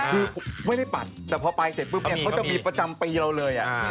คือไม่ได้ปัดแต่พอไปเสร็จปุ๊บเนี่ยเขาจะมีประจำปีเราเลย